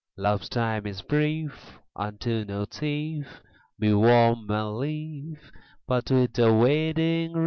Love's time is brief: Unto no thief Be warm and lief, But with the wedding ring!